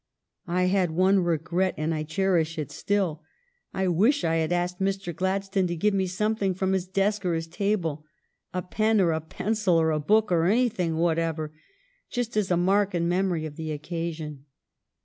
I had one regret, and I cherish it still. I wish I had asked Mr. Gladstone to give me some thing from his desk or his table, — a pen or a pen cil or a book or anything whatever, — just as a mark and memory of the occasion.